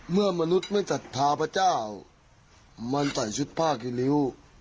เมื่อมนุษย์ไม่จัดทาพระเจ้ามันใส่ชุดผ้ากินริ้ว